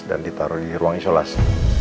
dan ditaruh di ruang isolasi